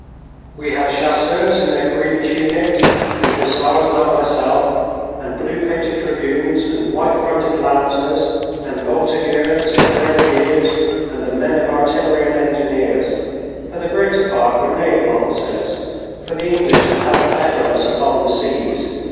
We had chasseurs in their green tunics, and hussars, like myself, and blue coated dragoons, and white fronted lancers, and voltigeurs, and grenadiers, and the men of the artillery and engineers. But the greater part were naval officers, for the English had had the better of us upon the seas.